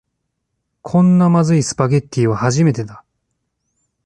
こんなまずいスパゲティは初めてだ